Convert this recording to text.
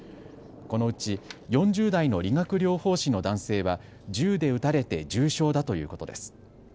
このうち４０代の理学療法士の男性は銃で撃たれて重傷だということです。